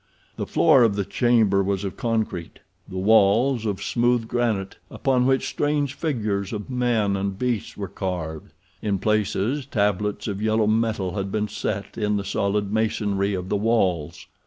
The floor of the chamber was of concrete, the walls of smooth granite, upon which strange figures of men and beasts were carved. In places tablets of yellow metal had been set in the solid masonry of the walls.